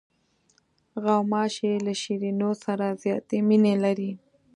غوماشې له شیرینیو سره زیاتې مینې لري.